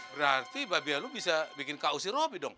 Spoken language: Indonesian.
berarti babe lu bisa bikin kau si roby dong